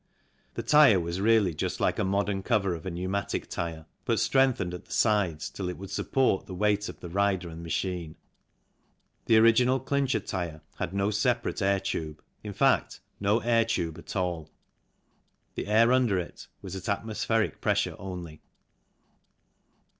The tyre was really just like a modern cover of a pneumatic tyre, but strengthened at the sides till it would support the weight of the rider and machine. The original Clincher tyre had no separate air tube, in fact no air tube at all ; the air under it was at atmospheric pressure only.